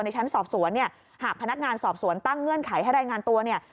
ชั้นสอบสวนเนี่ยหากพนักงานสอบสวนตั้งเงื่อนไขให้รายงานตัวเนี่ย